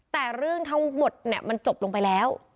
แต่เรื่องทั้งหมดมันจบลงไปแล้ว